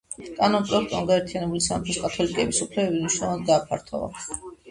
კანონპროექტმა გაერთიანებული სამეფოს კათოლიკეების უფლებები მნიშვნელოვნად გააფართოვა.